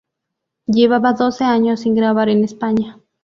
Llevaba doce años sin grabar en España.